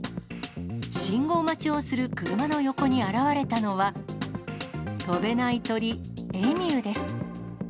信号待ちをする車の横に現れたのは、飛べない鳥、エミューです。